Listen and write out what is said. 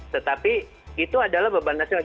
tetapi itu adalah beban nasional